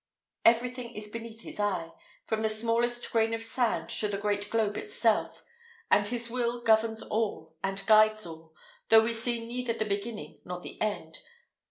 Everything is beneath his eye, from the smallest grain of sand to the great globe itself; and his will governs all, and guides all, though we see neither the beginning nor the end.